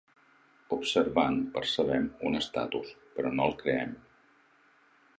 Observant, percebem un estatus, però no el creem.